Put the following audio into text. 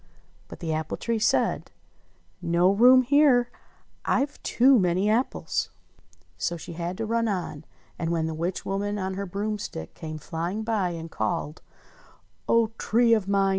But the apple tree said : "No room here ! I've too many apples." So she had to run on ; and when the witch woman on her broomstick came flying by and called : "O Tree of mine